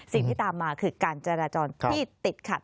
สิ่งที่ตามมาคือการจราจรที่ติดขัด